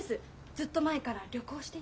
ずっと前から旅行していて。